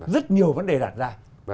rất nhiều vấn đề đạt ra